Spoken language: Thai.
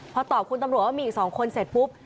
พอตอบคุณตำรวจว่ามีอีก๒คนเสร็จปุ๊บ